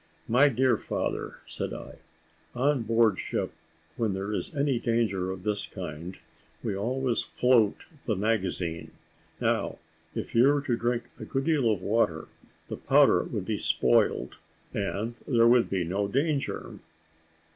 "My dear father," said I, "on board ship, when there is any danger of this kind, we always float the magazine. Now, if you were to drink a good deal of water, the powder would be spoiled, and there would be no danger."